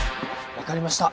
わかりました。